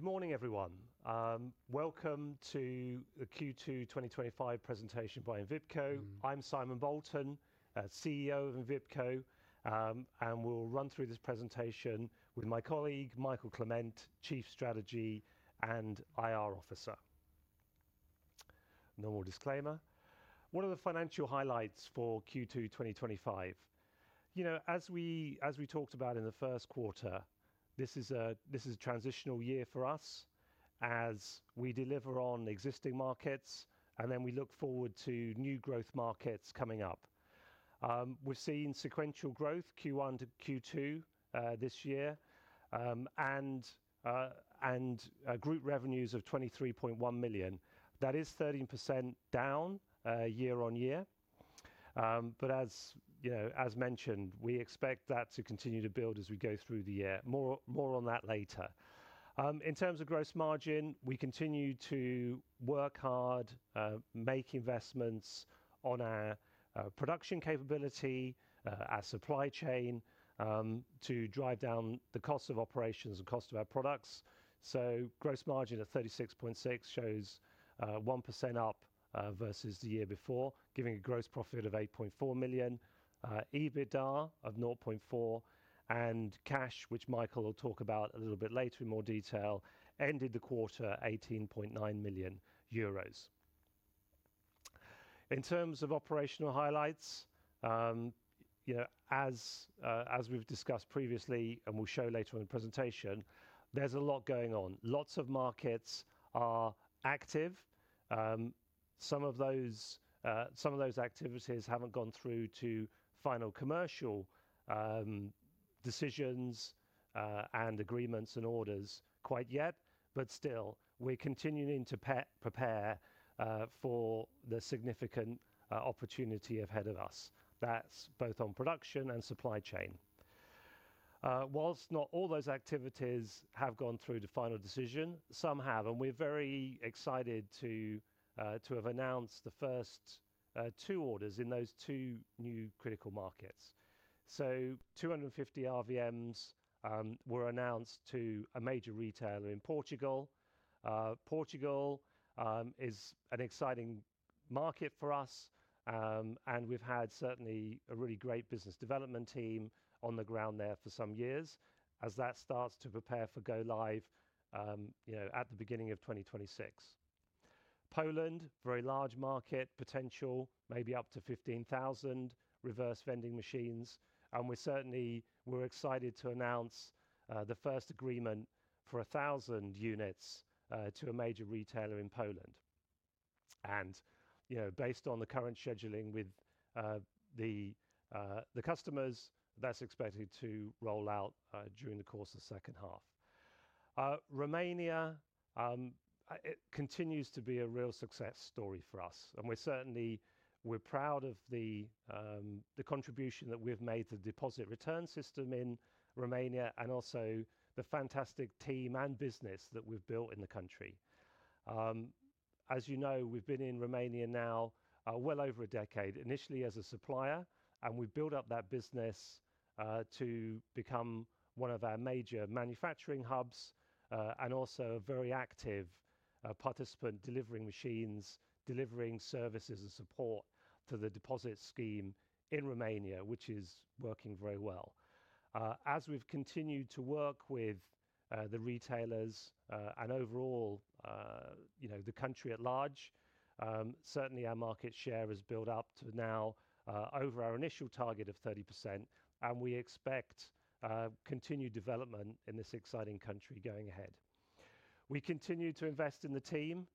Good morning, everyone. Welcome to the Q2 2025 presentation by Envipco. I'm Simon Bolton, CEO of Envipco, and we'll run through this presentation with my colleague, Mikael Clement, Chief Strategy and IR Officer. One of the financial highlights for Q2 2025. As we talked about in the first quarter, this is a transitional year for us as we deliver on existing markets, and then we look forward to new growth markets coming up. We've seen sequential growth, Q1 to Q2 this year, and group revenues of €23.1 million. That is 13% down year on year, but as mentioned, we expect that to continue to build as we go through the year. More on that later. In terms of gross margin, we continue to work hard, make investments on our production capability, our supply chain, to drive down the cost of operations and cost of our products. Gross margin of 36.6% shows 1% up versus the year before, giving a gross profit of €8.4 million. EBITDA of €0.4 million and cash, which Mikael will talk about a little bit later in more detail, ended the quarter at €18.9 million. In terms of operational highlights, as we've discussed previously, and we'll show later on in the presentation, there's a lot going on. Lots of markets are active. Some of those activities haven't gone through to final commercial decisions, agreements, and orders quite yet, but still, we're continuing to prepare for the significant opportunity ahead of us. That's both on production and supply chain. Whilst not all those activities have gone through to final decision, some have, and we're very excited to have announced the first two orders in those two new critical markets. 250 RVMs were announced to a major retailer in Portugal. Portugal is an exciting market for us, and we've had certainly a really great business development team on the ground there for some years as that starts to prepare for go live at the beginning of 2026. Poland, very large market, potential, maybe up to 15,000 reverse vending machines, and we're excited to announce the first agreement for 1,000 units to a major retailer in Poland. Based on the current scheduling with the customers, that's expected to roll out during the course of the second half. Romania continues to be a real success story for us, and we're certainly proud of the contribution that we've made to the deposit return scheme in Romania and also the fantastic team and business that we've built in the country. As you know, we've been in Romania now well over a decade, initially as a supplier, and we built up that business to become one of our major manufacturing hubs and also a very active participant delivering machines, delivering services and support to the deposit scheme in Romania, which is working very well. As we've continued to work with the retailers and overall the country at large, certainly our market share has built up to now over our initial target of 30%, and we expect continued development in this exciting country going ahead. We continue to invest in the team.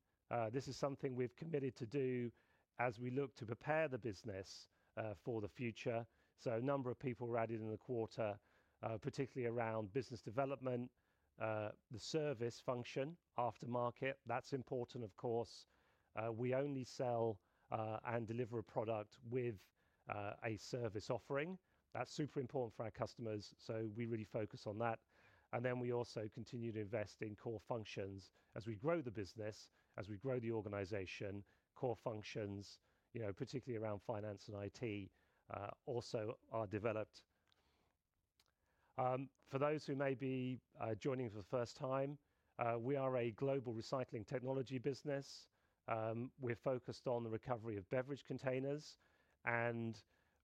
This is something we've committed to do as we look to prepare the business for the future. A number of people were added in the quarter, particularly around business development, the service function, aftermarket. That's important, of course. We only sell and deliver a product with a service offering. That's super important for our customers, so we really focus on that. We also continue to invest in core functions as we grow the business, as we grow the organization. Core functions, particularly around finance and IT, also are developed. For those who may be joining for the first time, we are a global recycling technology business. We're focused on the recovery of beverage containers, and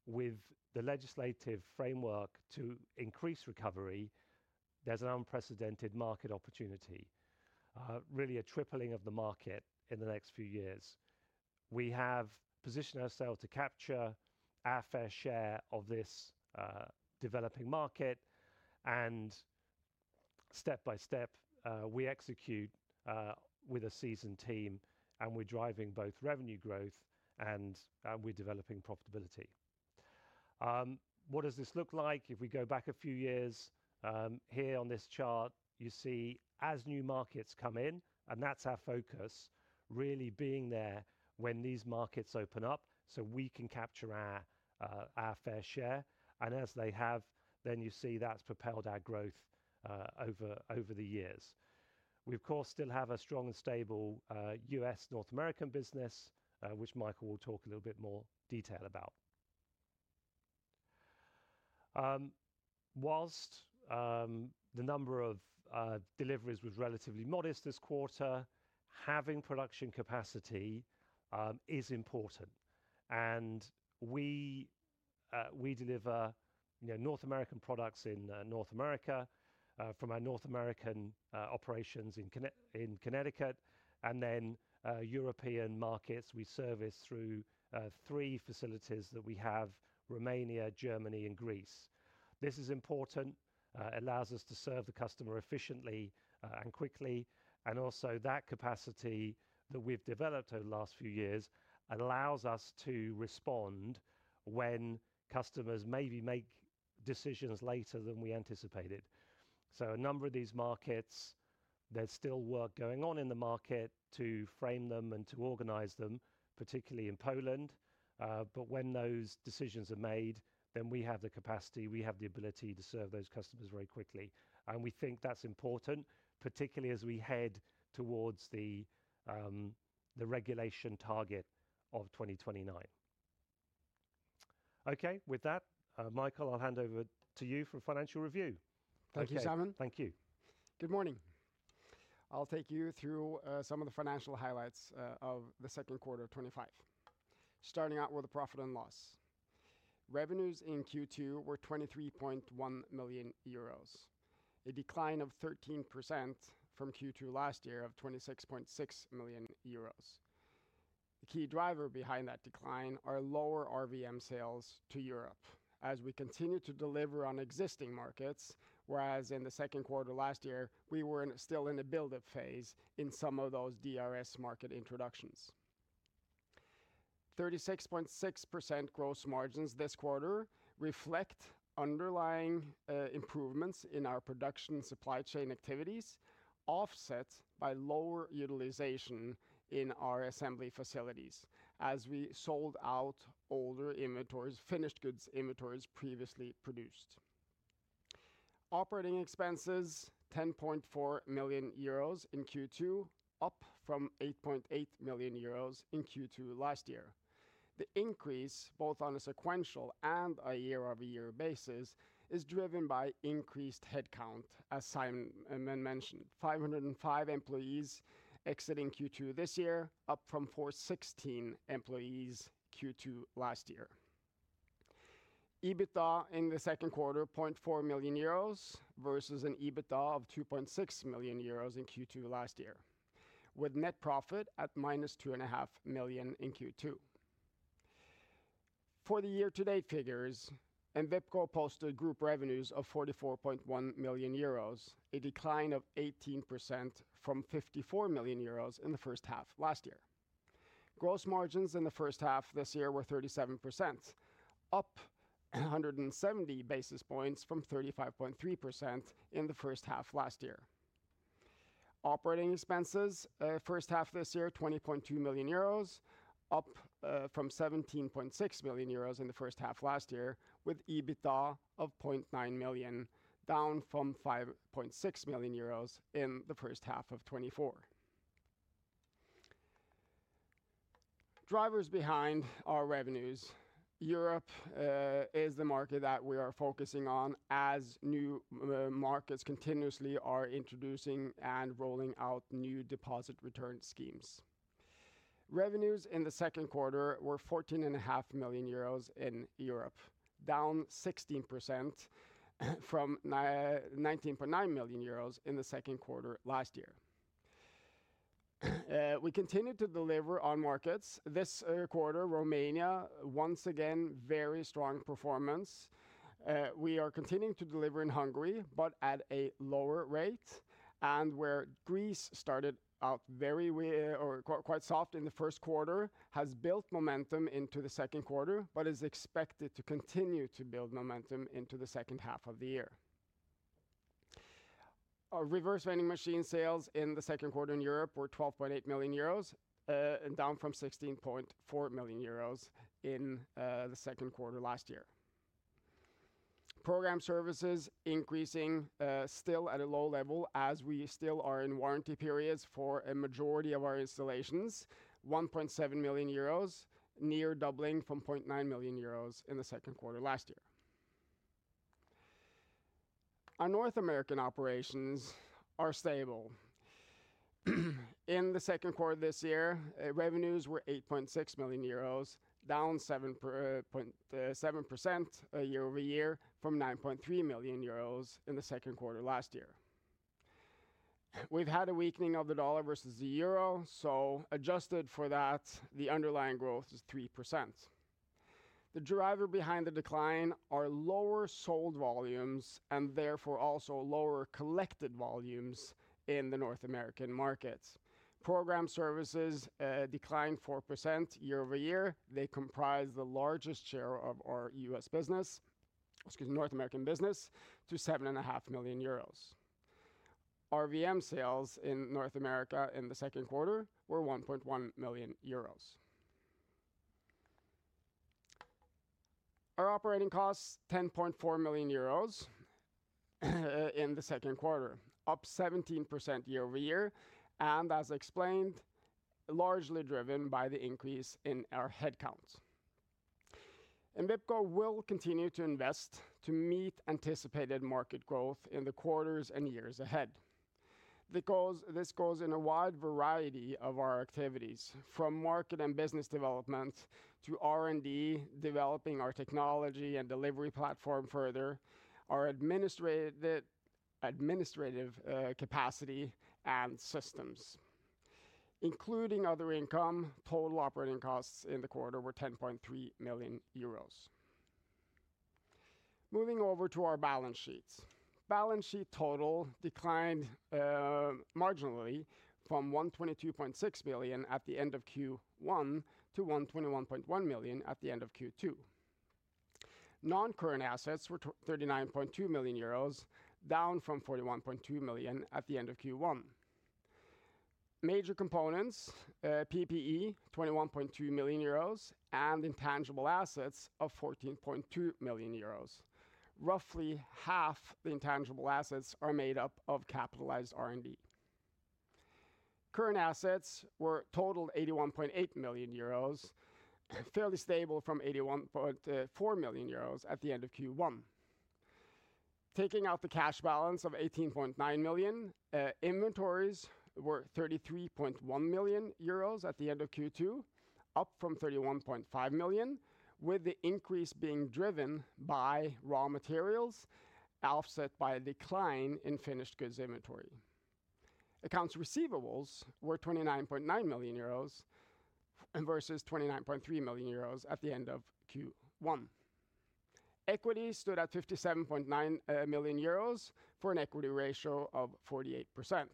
with the legislative framework to increase recovery, there's an unprecedented market opportunity, really a tripling of the market in the next few years. We have positioned ourselves to capture our fair share of this developing market, and step by step, we execute with a seasoned team, and we're driving both revenue growth and we're developing profitability. What does this look like if we go back a few years? Here on this chart, you see as new markets come in, and that's our focus, really being there when these markets open up so we can capture our fair share. As they have, you see that's propelled our growth over the years. We, of course, still have a strong and stable U.S., North American business, which Mikael will talk a little bit more detail about. Whilst the number of deliveries was relatively modest this quarter, having production capacity is important. We deliver North American products in North America from our North American operations in Connecticut, and European markets we service through three facilities that we have: Romania, Germany, and Greece. This is important. It allows us to serve the customer efficiently and quickly. Also, that capacity that we've developed over the last few years allows us to respond when customers maybe make decisions later than we anticipated. A number of these markets, there's still work going on in the market to frame them and to organize them, particularly in Poland. When those decisions are made, we have the capacity, we have the ability to serve those customers very quickly. We think that's important, particularly as we head towards the regulation target of 2029. Okay, with that, Mikael, I'll hand over to you for a financial review. Thank you, Simon. Thank you. Good morning. I'll take you through some of the financial highlights of the second quarter of 2025. Starting out with the profit and loss, revenues in Q2 were €23.1 million, a decline of 13% from Q2 last year of €26.6 million. The key driver behind that decline are lower reverse vending machine sales to Europe as we continue to deliver on existing markets, whereas in the second quarter last year, we were still in a build-up phase in some of those deposit return scheme market introductions. 36.6% gross margins this quarter reflect underlying improvements in our production supply chain activities, offset by lower utilization in our assembly facilities as we sold out older inventories, finished goods inventories previously produced. Operating expenses were €10.4 million in Q2, up from €8.8 million in Q2 last year. The increase, both on a sequential and a year-over-year basis, is driven by increased headcount, as Simon mentioned. 505 employees exiting Q2 this year, up from 416 employees Q2 last year. EBITDA in the second quarter was €0.4 million versus an EBITDA of €2.6 million in Q2 last year, with net profit at minus €2.5 million in Q2. For the year-to-date figures, Envipco Holding N.V. posted group revenues of €44.1 million, a decline of 18% from €54 million in the first half last year. Gross margins in the first half this year were 37%, up 170 basis points from 35.3% in the first half last year. Operating expenses in the first half this year were €20.2 million, up from €17.6 million in the first half last year, with EBITDA of €0.9 million, down from €5.6 million in the first half of 2024. Drivers behind our revenues, Europe is the market that we are focusing on as new markets continuously are introducing and rolling out new deposit return schemes. Revenues in the second quarter were €14.5 million in Europe, down 16% from €19.9 million in the second quarter last year. We continue to deliver on markets. This quarter, Romania once again showed very strong performance. We are continuing to deliver in Hungary, but at a lower rate. Where Greece started out very weak or quite soft in the first quarter, it has built momentum into the second quarter and is expected to continue to build momentum into the second half of the year. Our reverse vending machine sales in the second quarter in Europe were €12.8 million, down from €16.4 million in the second quarter last year. Program services increasing, still at a low level as we still are in warranty periods for a majority of our installations, €1.7 million, near doubling from €0.9 million in the second quarter last year. Our North American operations are stable. In the second quarter this year, revenues were €8.6 million, down 7% year over year from €9.3 million in the second quarter last year. We've had a weakening of the dollar versus the euro, so adjusted for that, the underlying growth is 3%. The driver behind the decline are lower sold volumes and therefore also lower collected volumes in the North American markets. Program services declined 4% year over year. They comprise the largest share of our U.S. business, excuse me, North American business, to €7.5 million. RVM sales in North America in the second quarter were €1.1 million. Our operating costs, €10.4 million in the second quarter, up 17% year over year, and as explained, largely driven by the increase in our headcount. Envipco Holding N.V. will continue to invest to meet anticipated market growth in the quarters and years ahead. This goes in a wide variety of our activities, from market and business development to R&D, developing our technology and delivery platform further, our administrative capacity, and systems. Including other income, total operating costs in the quarter were €10.3 million. Moving over to our balance sheets. Balance sheet total declined marginally from €122.6 million at the end of Q1 to €121.1 million at the end of Q2. Non-current assets were €39.2 million, down from €41.2 million at the end of Q1. Major components, PPE, €21.2 million, and intangible assets of €14.2 million. Roughly half the intangible assets are made up of capitalized R&D. Current assets were totaled €81.8 million, fairly stable from €81.4 million at the end of Q1. Taking out the cash balance of €18.9 million, inventories were €33.1 million at the end of Q2, up from €31.5 million, with the increase being driven by raw materials, offset by a decline in finished goods inventory. Accounts receivables were €29.9 million versus €29.3 million at the end of Q1. Equity stood at €57.9 million for an equity ratio of 48%.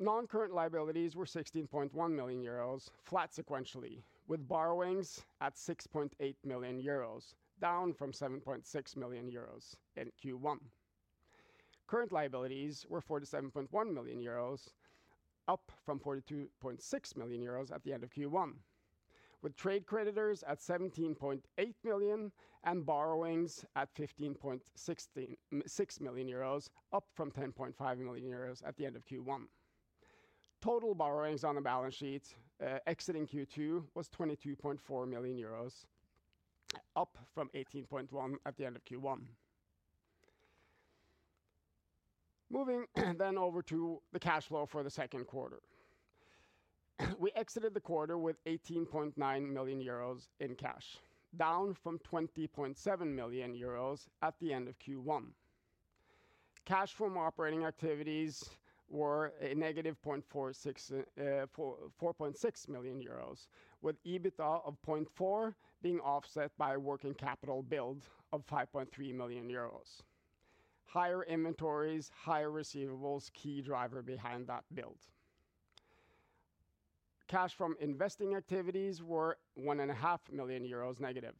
Non-current liabilities were €16.1 million, flat sequentially, with borrowings at €6.8 million, down from €7.6 million in Q1. Current liabilities were €47.1 million, up from €42.6 million at the end of Q1, with trade creditors at €17.8 million and borrowings at €15.6 million, up from €10.5 million at the end of Q1. Total borrowings on the balance sheets, exiting Q2, were €22.4 million, up from €18.1 million at the end of Q1. Moving then over to the cash flow for the second quarter, we exited the quarter with €18.9 million in cash, down from €20.7 million at the end of Q1. Cash from operating activities were a negative €4.6 million, with EBITDA of €0.4 million being offset by a working capital build of €5.3 million. Higher inventories and higher receivables were the key driver behind that build. Cash from investing activities were €1.5 million negative,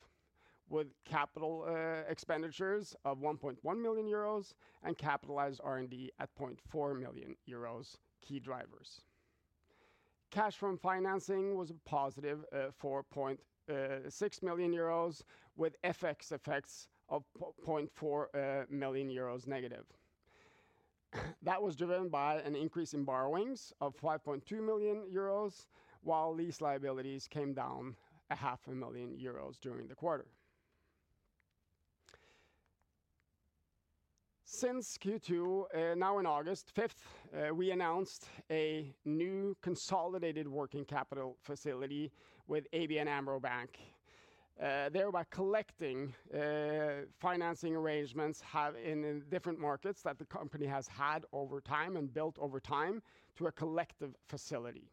with capital expenditures of €1.1 million and capitalized R&D at €0.4 million, key drivers. Cash from financing was a positive €4.6 million, with FX effects of €0.4 million negative. That was driven by an increase in borrowings of €5.2 million, while lease liabilities came down €0.5 million during the quarter. Since Q2, now on August 5, we announced a new consolidated working capital facility with ABN AMRO Bank, thereby collecting financing arrangements in different markets that the company has had over time and built over time to a collective facility.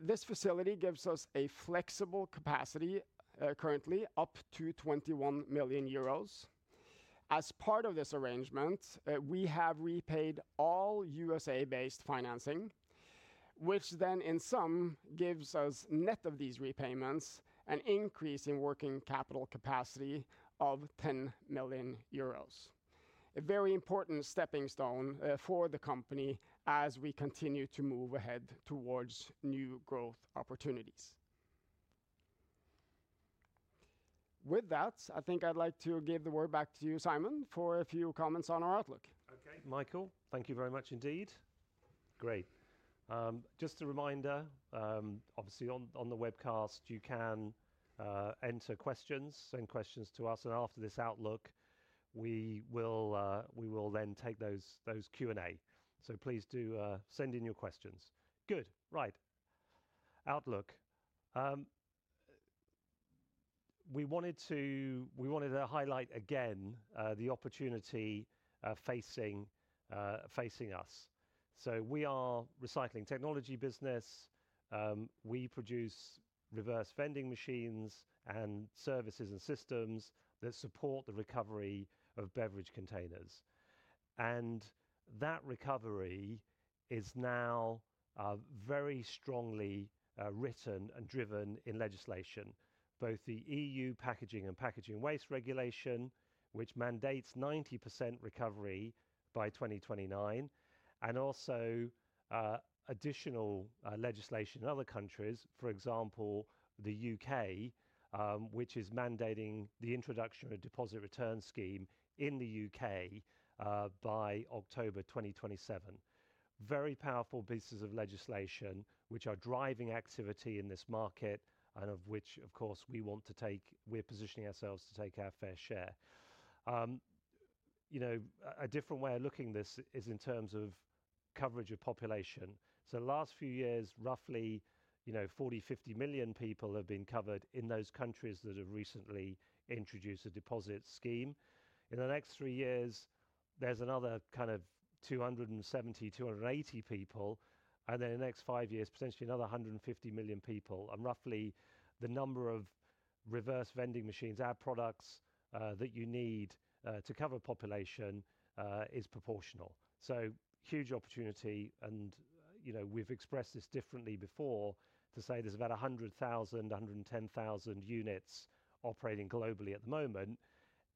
This facility gives us a flexible capacity, currently up to €21 million. As part of this arrangement, we have repaid all U.S.A.-based financing, which then in sum gives us, net of these repayments, an increase in working capital capacity of €10 million. A very important stepping stone for the company as we continue to move ahead towards new growth opportunities. With that, I think I'd like to give the word back to you, Simon, for a few comments on our outlook. Okay, Mikael, thank you very much indeed. Great. Just a reminder, obviously on the webcast, you can enter questions, send questions to us, and after this outlook, we will then take those Q&A. Please do send in your questions. Good. Right. Outlook. We wanted to highlight again the opportunity facing us. We are a recycling technology business. We produce reverse vending machines and services and systems that support the recovery of beverage containers. That recovery is now very strongly written and driven in legislation, both the EU packaging and packaging waste regulation, which mandates 90% recovery by 2029, and also additional legislation in other countries, for example, the UK, which is mandating the introduction of a deposit return scheme in the UK by October 2027. Very powerful pieces of legislation, which are driving activity in this market, and of which, of course, we want to take, we're positioning ourselves to take our fair share. You know, a different way of looking at this is in terms of coverage of population. The last few years, roughly 40, 50 million people have been covered in those countries that have recently introduced a deposit scheme. In the next three years, there's another kind of 270, 280 million people. In the next five years, potentially another 150 million people. Roughly the number of reverse vending machines, our products, that you need to cover a population is proportional. Huge opportunity. You know, we've expressed this differently before, to say there's about 100,000, 110,000 units operating globally at the moment.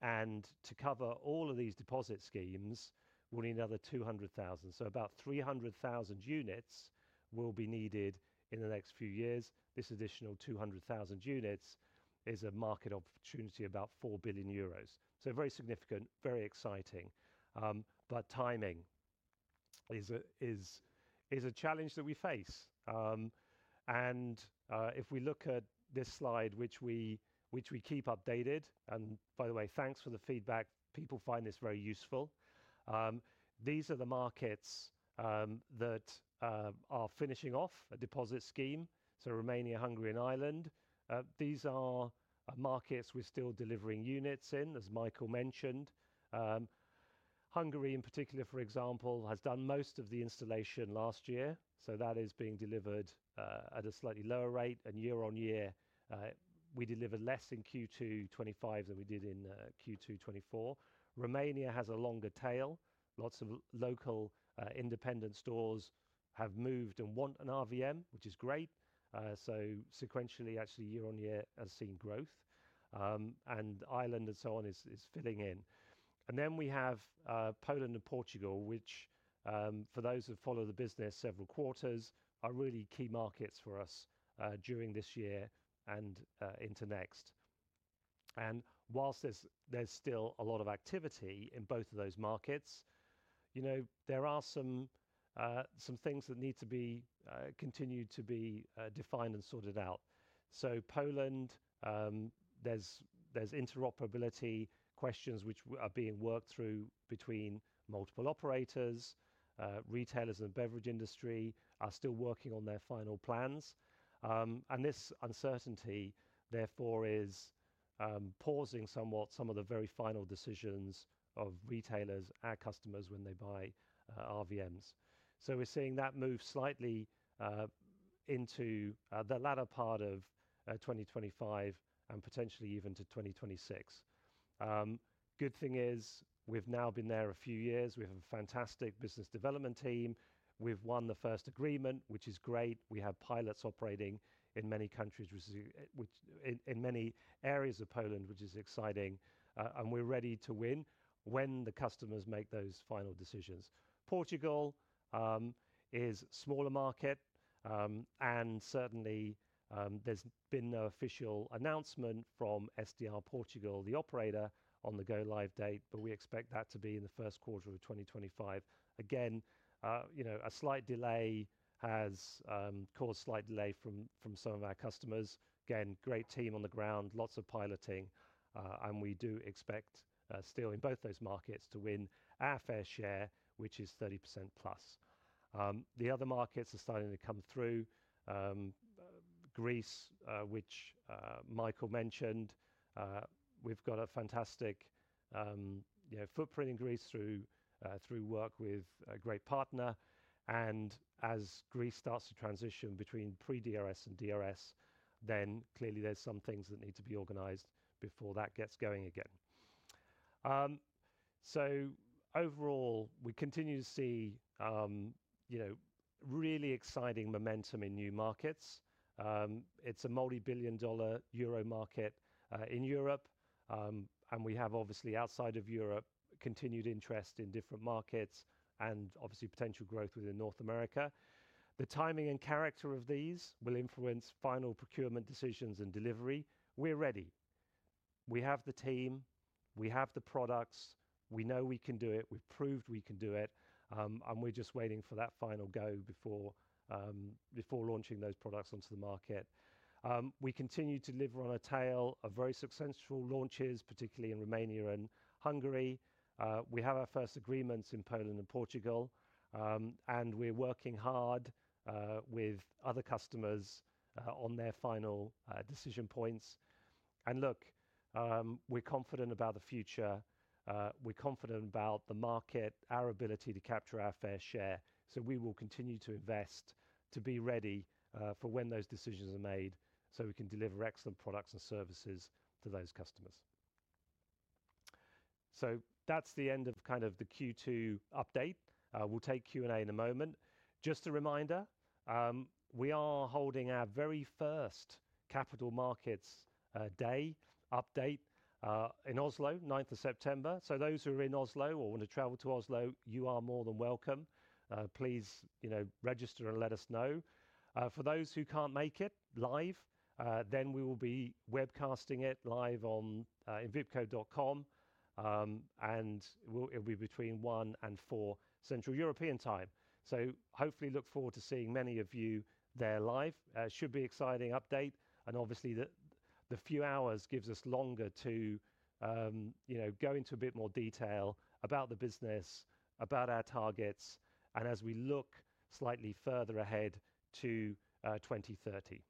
To cover all of these deposit schemes, we'll need another 200,000. About 300,000 units will be needed in the next few years. This additional 200,000 units is a market opportunity, about €4 billion. Very significant, very exciting. Timing is a challenge that we face. If we look at this slide, which we keep updated, and by the way, thanks for the feedback. People find this very useful. These are the markets that are finishing off a deposit scheme. Romania, Hungary, and Ireland. These are markets we're still delivering units in, as Mikael mentioned. Hungary, in particular, for example, has done most of the installation last year. That is being delivered at a slightly lower rate and year on year. We deliver less in Q2 2025 than we did in Q2 2024. Romania has a longer tail. Lots of local, independent stores have moved and want an RVM, which is great. Sequentially, actually, year on year, I've seen growth. Ireland and so on is filling in. We have Poland and Portugal, which, for those who follow the business, several quarters are really key markets for us during this year and into next. Whilst there's still a lot of activity in both of those markets, there are some things that need to be continued to be defined and sorted out. Poland, there's interoperability questions which are being worked through between multiple operators. Retailers in the beverage industry are still working on their final plans, and this uncertainty, therefore, is pausing somewhat some of the very final decisions of retailers and customers when they buy RVMs. We're seeing that move slightly into the latter part of 2025 and potentially even to 2026. Good thing is we've now been there a few years. We have a fantastic business development team. We've won the first agreement, which is great. We have pilots operating in many areas of Poland, which is exciting, and we're ready to win when the customers make those final decisions. Portugal is a smaller market, and certainly, there's been no official announcement from SDR Portugal, the operator, on the go live date, but we expect that to be in the first quarter of 2025. Again, a slight delay has caused a slight delay from some of our customers. Again, great team on the ground, lots of piloting, and we do expect, still in both those markets, to win our fair share, which is 30% plus. The other markets are starting to come through. Greece, which Mikael mentioned, we've got a fantastic footprint in Greece through work with a great partner. As Greece starts to transition between pre-DRS and DRS, clearly there's some things that need to be organized before that gets going again. Overall, we continue to see really exciting momentum in new markets. It's a multi-billion euro market in Europe, and we have obviously outside of Europe continued interest in different markets and obviously potential growth within North America. The timing and character of these will influence final procurement decisions and delivery. We're ready. We have the team. We have the products. We know we can do it. We've proved we can do it. We're just waiting for that final go before launching those products onto the market. We continue to deliver on a tail of very successful launches, particularly in Romania and Hungary. We have our first agreements in Poland and Portugal, and we're working hard with other customers on their final decision points. Look, we're confident about the future. We're confident about the market, our ability to capture our fair share. We will continue to invest to be ready for when those decisions are made so we can deliver excellent products and services to those customers. That's the end of the Q2 update. We'll take Q&A in a moment. Just a reminder, we are holding our very first Capital Markets Day update in Oslo, 9th of September. Those who are in Oslo or want to travel to Oslo, you are more than welcome. Please register and let us know. For those who can't make it live, we will be webcasting it live on envipco.com, and it will be between 1:00 and 4:00 P.M. Central European Time. Hopefully, look forward to seeing many of you there live. It should be an exciting update. The few hours give us longer to go into a bit more detail about the business, about our targets, and as we look slightly further ahead to 2030.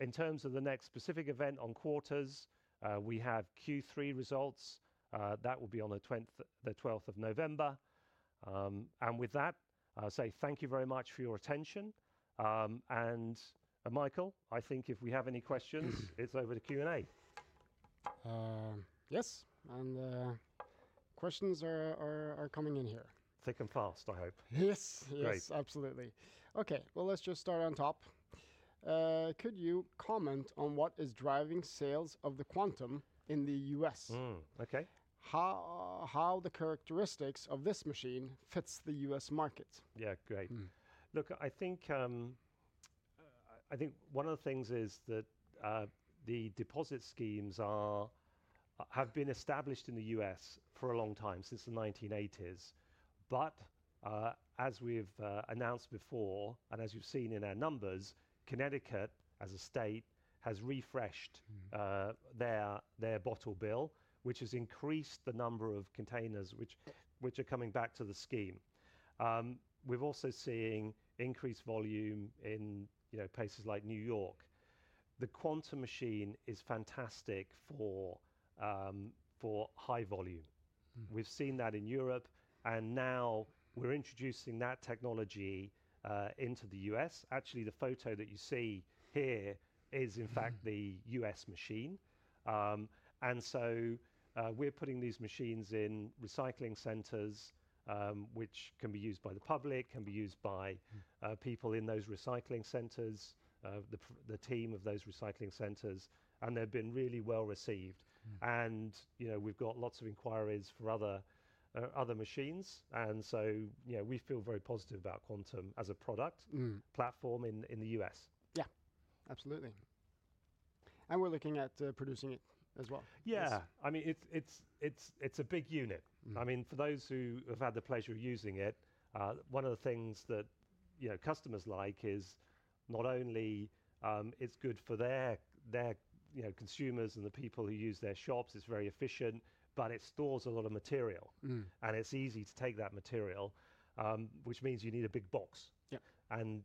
In terms of the next specific event on quarters, we have Q3 results. That will be on the 12th of November. With that, I'll say thank you very much for your attention. Michael, I think if we have any questions, it's over to Q&A. Yes, questions are coming in here. Thick and fast, I hope. Yes, yes, absolutely. Okay, let's just start on top. Could you comment on what is driving sales of the Quantum in the U.S.? okay. How do the characteristics of this machine fit the US market? Yeah, great. I think one of the things is that the deposit schemes have been established in the U.S. for a long time, since the 1980s. As we've announced before, and as you've seen in our numbers, Connecticut as a state has refreshed their bottle bill, which has increased the number of containers which are coming back to the scheme. We're also seeing increased volume in places like New York. The Quantum machine is fantastic for high volume. We've seen that in Europe, and now we're introducing that technology into the U.S. Actually, the photo that you see here is, in fact, the U.S. machine. We're putting these machines in recycling centers, which can be used by the public, can be used by people in those recycling centers, the team of those recycling centers, and they've been really well received. We've got lots of inquiries for other machines. We feel very positive about Quantum as a product platform in the U.S. Yeah, absolutely. We're looking at producing it as well. Yeah, I mean, it's a big unit. I mean, for those who have had the pleasure of using it, one of the things that customers like is not only it's good for their consumers and the people who use their shops, it's very efficient, but it stores a lot of material. It's easy to take that material, which means you need a big box.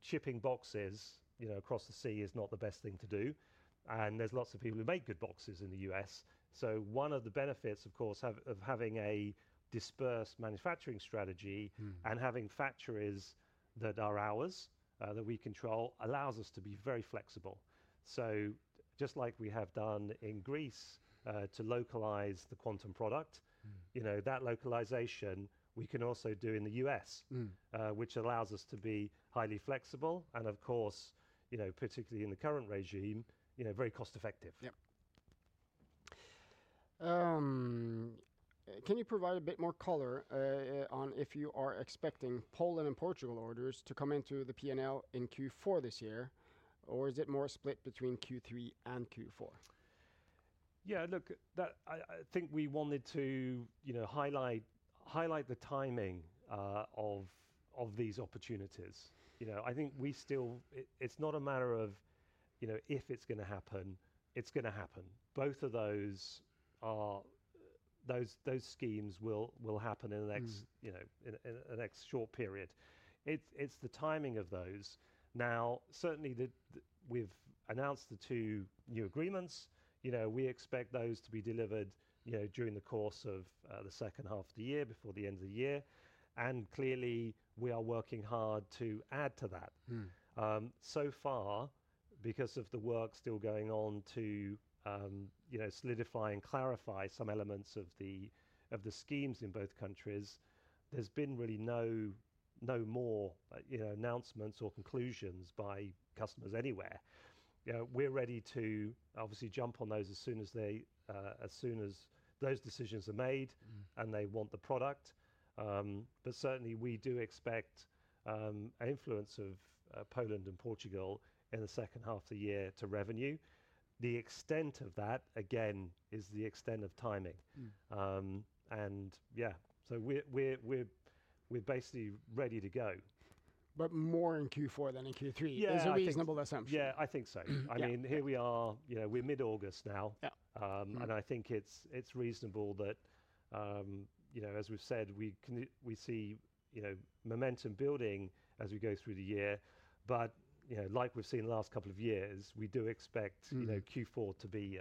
Shipping boxes across the sea is not the best thing to do. There are lots of people who make good boxes in the U.S. One of the benefits, of course, of having a dispersed manufacturing strategy and having factories that are ours, that we control, allows us to be very flexible. Just like we have done in Greece to localize the Quantum product, that localization we can also do in the U.S., which allows us to be highly flexible and, of course, particularly in the current regime, very cost effective. Yeah, can you provide a bit more color on if you are expecting Poland and Portugal orders to come into the P&L in Q4 this year, or is it more split between Q3 and Q4? Yeah, look, I think we wanted to highlight the timing of these opportunities. I think we still, it's not a matter of if it's going to happen, it's going to happen. Both of those schemes will happen in the next short period. It's the timing of those. Now, certainly that we've announced the two new agreements, we expect those to be delivered during the course of the second half of the year before the end of the year. Clearly, we are working hard to add to that. So far, because of the work still going on to solidify and clarify some elements of the schemes in both countries, there's been really no more announcements or conclusions by customers anywhere. We're ready to obviously jump on those as soon as those decisions are made and they want the product. We do expect an influence of Poland and Portugal in the second half of the year to revenue. The extent of that, again, is the extent of timing. We're basically ready to go. More in Q4 than in Q3 is a reasonable assumption. Yeah, I think so. I mean, here we are, you know, we're mid-August now, and I think it's reasonable that, you know, as we've said, we see momentum building as we go through the year. Like we've seen the last couple of years, we do expect Q4 to be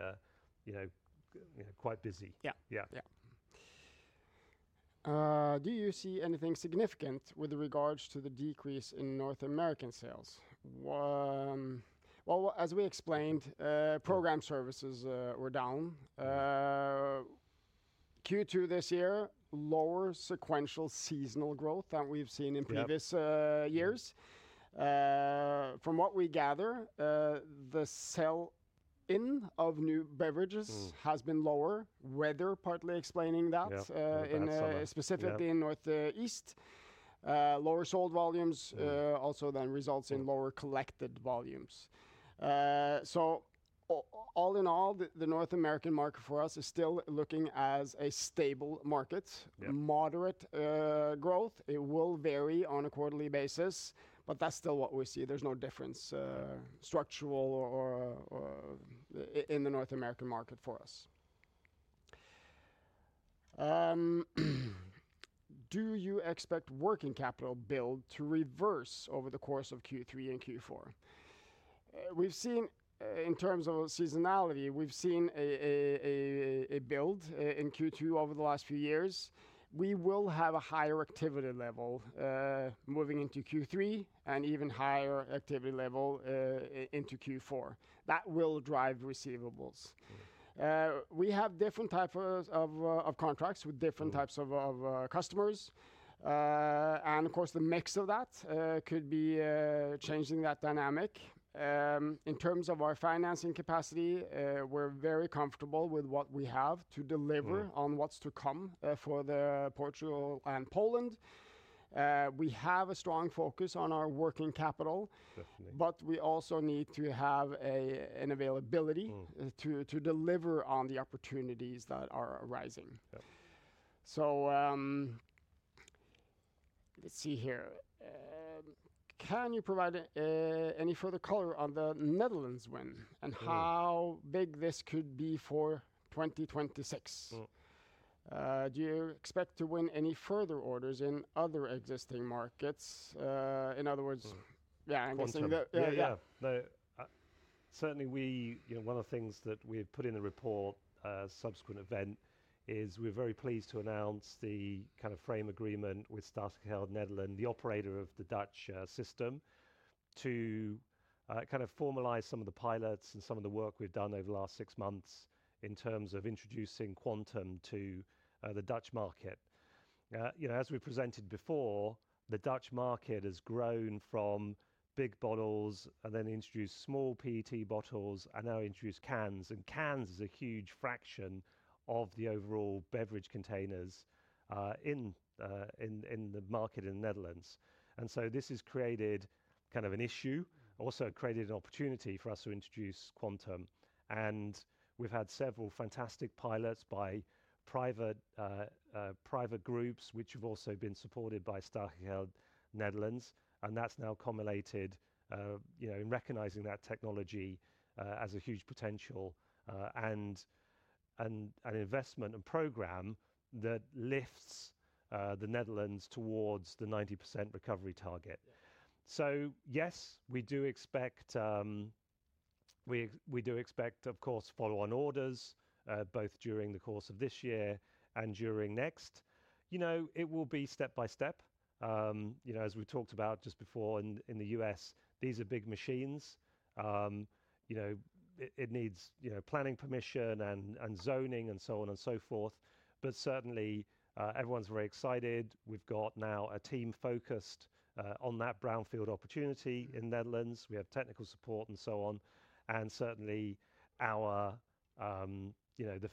quite busy. Yeah. Do you see anything significant with regards to the decrease in North American sales? As we explained, program services were down. Q2 this year had lower sequential seasonal growth than we've seen in previous years. From what we gather, the sale-in of new beverages has been lower, weather partly explaining that, specifically in the Northeast. Lower sold volumes also then result in lower collected volumes. All in all, the North American market for us is still looking as a stable market. Yeah, moderate growth. It will vary on a quarterly basis, but that's still what we see. There's no difference, structural or in the North American market for us. Do you expect working capital build to reverse over the course of Q3 and Q4? We've seen, in terms of seasonality, a build in Q2 over the last few years. We will have a higher activity level moving into Q3 and even higher activity level into Q4. That will drive receivables. We have different types of contracts with different types of customers, and of course, the mix of that could be changing that dynamic. In terms of our financing capacity, we're very comfortable with what we have to deliver on what's to come for Portugal and Poland. We have a strong focus on our working capital, but we also need to have an availability to deliver on the opportunities that are arising. Can you provide any further color on the Netherlands win and how big this could be for 2026? Do you expect to win any further orders in other existing markets? In other words, yeah, I guess. Certainly, one of the things that we had put in the report, subsequent event, is we're very pleased to announce the kind of frame agreement with Statiegeld Nederland, the operator of the Dutch system, to formalize some of the pilots and some of the work we've done over the last six months in terms of introducing Quantum to the Dutch market. As we presented before, the Dutch market has grown from big bottles and then introduced small PET bottles and now introduced cans. Cans are a huge fraction of the overall beverage containers in the market in the Netherlands. This has created an issue and also created an opportunity for us to introduce Quantum. We've had several fantastic pilots by private groups, which have also been supported by Statiegeld Nederland. That's now accommodated in recognizing that technology as a huge potential and an investment and program that lifts the Netherlands towards the 90% recovery target. We do expect, of course, follow-on orders, both during the course of this year and during next. It will be step by step. As we've talked about just before in the U.S., these are big machines. It needs planning permission and zoning and so on and so forth. Certainly, everyone's very excited. We've got now a team focused on that brownfield opportunity in the Netherlands. We have technical support and so on. Certainly, the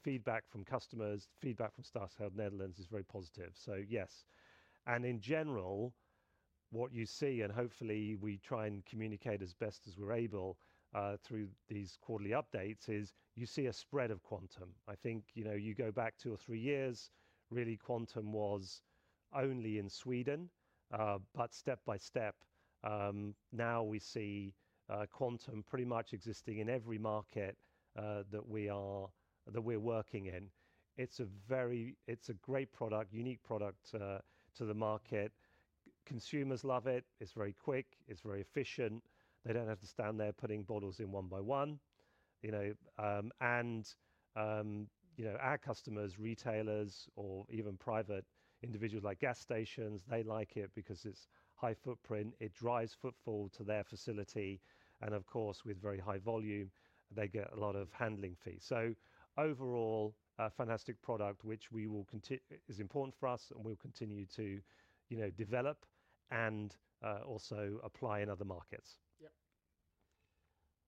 feedback from customers, feedback from Statiegeld Nederland, is very positive. In general, what you see, and hopefully we try and communicate as best as we're able through these quarterly updates, is you see a spread of Quantum. I think if you go back two or three years, really Quantum was only in Sweden, but step by step, now we see Quantum pretty much existing in every market that we're working in. It's a great product, unique product to the market. Consumers love it. It's very quick. It's very efficient. They don't have to stand there putting bottles in one by one. Our customers, retailers, or even private individuals like gas stations, they like it because it's high footprint. It drives footfall to their facility. Of course, with very high volume, they get a lot of handling fees. Overall, a fantastic product, which we will continue, is important for us and we'll continue to develop and also apply in other markets.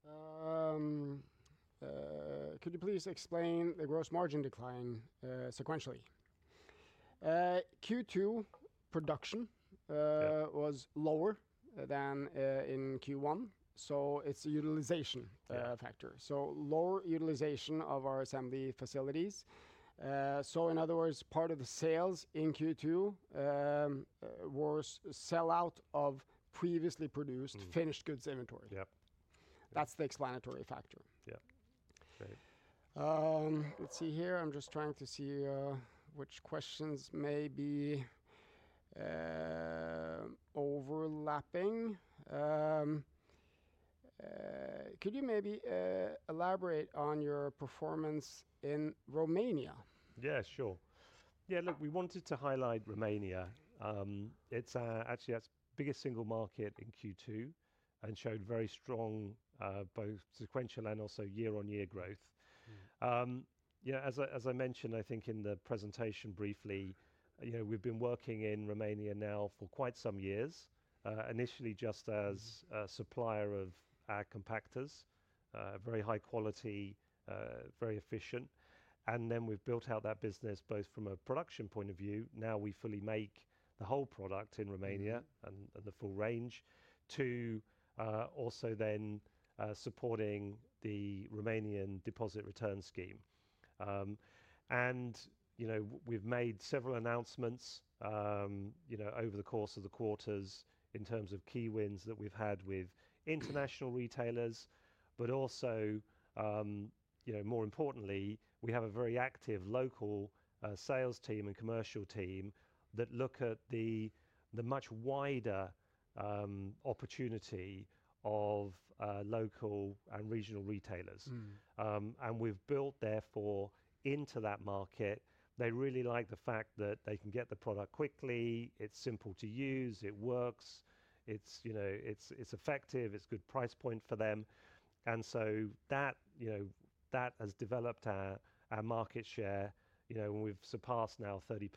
Yeah. Could you please explain the gross margin decline, sequentially? Q2 production was lower than in Q1. It's the utilization factor. Lower utilization of our assembly facilities. In other words, part of the sales in Q2 was sell out of previously produced finished goods inventory. Yeah. That's the explanatory factor. Yeah. Let's see here. I'm just trying to see which questions may be overlapping. Could you maybe elaborate on your performance in Romania? Yeah, sure. Yeah, look, we wanted to highlight Romania. It's actually our biggest single market in Q2 and showed very strong, both sequential and also year-on-year growth. You know, as I mentioned, I think in the presentation briefly, we've been working in Romania now for quite some years, initially just as a supplier of our compactors, very high quality, very efficient. Then we've built out that business both from a production point of view. Now we fully make the whole product in Romania and the full range to also then supporting the Romanian deposit return scheme. You know, we've made several announcements over the course of the quarters in terms of key wins that we've had with international retailers, but also, more importantly, we have a very active local sales team and commercial team that look at the much wider opportunity of local and regional retailers. We've built therefore into that market. They really like the fact that they can get the product quickly. It's simple to use. It works. It's effective. It's a good price point for them. That has developed our market share, and we've surpassed now 30%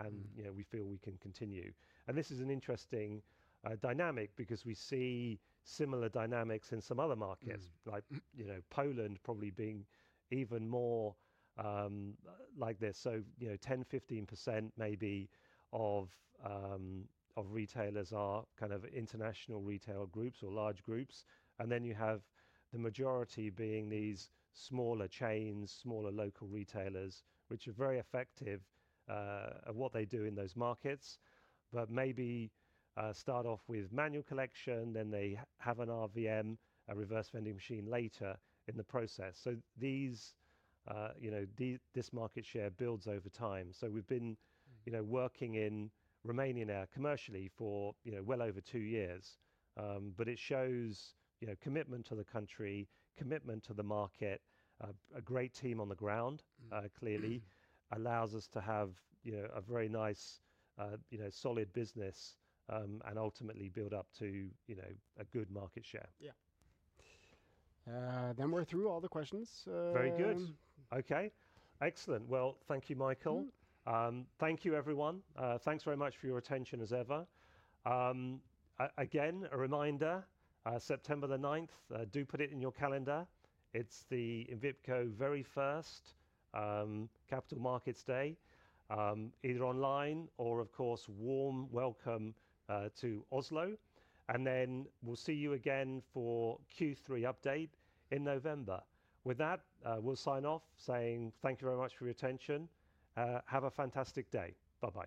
and we feel we can continue. This is an interesting dynamic because we see similar dynamics in some other markets, like Poland probably being even more like this. You know, 10%, 15% maybe of retailers are kind of international retail groups or large groups. Then you have the majority being these smaller chains, smaller local retailers, which are very effective at what they do in those markets, but maybe start off with manual collection, then they have an RVM, a reverse vending machine later in the process. This market share builds over time. We've been working in Romania now commercially for well over two years. It shows commitment to the country, commitment to the market, a great team on the ground, clearly allows us to have a very nice, solid business, and ultimately build up to a good market share. Yeah, we're through all the questions. Very good. Okay. Excellent. Thank you, Mikael. Thank you, everyone. Thanks very much for your attention as ever. Again, a reminder, September 9, do put it in your calendar. It's the Envipco very first Capital Markets Day, either online or, of course, warm welcome to Oslo. We'll see you again for Q3 update in November. With that, we'll sign off saying thank you very much for your attention. Have a fantastic day. Bye-bye.